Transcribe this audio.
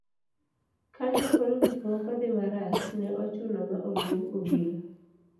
kane koro gik moko dhi marach, ne ochuno ma oluong obila